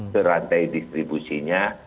ke rantai distribusinya